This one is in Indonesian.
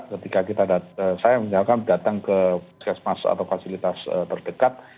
ketika kita datang saya misalkan datang ke puskesmas atau fasilitas terdekat